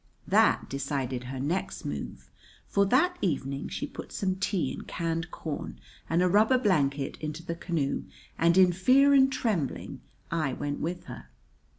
That decided her next move, for that evening she put some tea and canned corn and a rubber blanket into the canoe; and in fear and trembling I went with her.